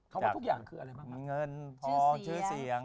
ทั่วว่าทุกอย่างคืออะไรมีเงินซื้อเสียง